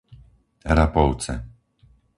Rapovce